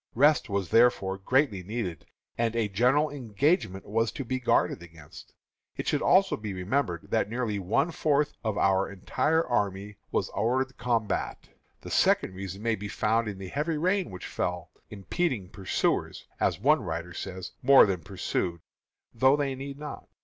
Rest was therefore greatly needed, and a general engagement was to be guarded against. It should also be remembered that nearly one fourth of our entire army was hors de combat. The second reason may be found in the heavy rains which fell, "impeding pursuers," as one writer says, "more than pursued, though they need not."